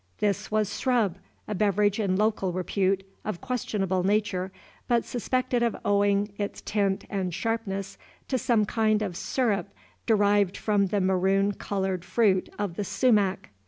This was srub, a beverage in local repute, of questionable nature, but suspected of owing its tint and sharpness to some kind of syrup derived from the maroon colored fruit of the sumac.